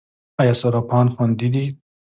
آیا صرافان خوندي دي؟